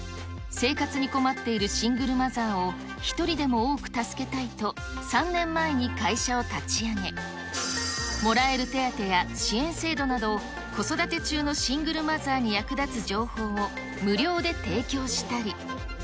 生活に困っているシングルマザーを、一人でも多く助けたいと３年前に会社を立ち上げ、もらえる手当や、支援制度などを子育て中のシングルマザーに役立つ情報を、無料で提供したり。